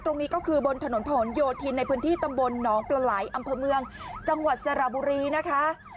ตรงนี้ก็คือบนถนนผนโยธินในพื้นที่ตำบลหนองปลาไหลอำเภอเมืองจังหวัดสระบุรีนะคะ